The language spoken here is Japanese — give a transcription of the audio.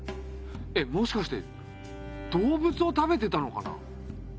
えっもしかして動物を食べてたのかな？